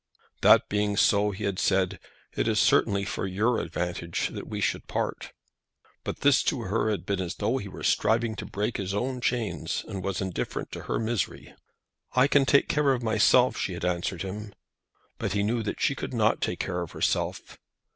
"That being so," he had said, "it is certainly for your advantage that we should part." But this to her had been as though he were striving to break his own chains and was indifferent as to her misery. "I can take care of myself," she had answered him. But he knew that she could not take care of herself.